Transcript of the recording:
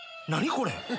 これ！